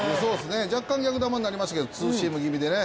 若干逆球になりましたけどツーシーム気味でね。